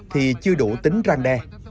thì chưa đủ tính răng đe